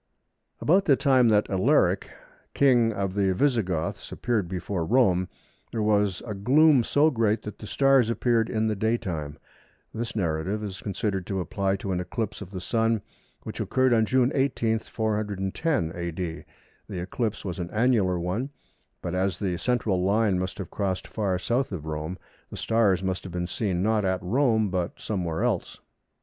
About the time that Alaric, King of the Visigoths appeared before Rome, there was a gloom so great that the stars appeared in the daytime. This narrative is considered to apply to an eclipse of the Sun, which occurred on June 18, 410 A.D. The eclipse was an annular one, but as the central line must have crossed far S. of Rome, the stars must have been seen not at Rome but somewhere else.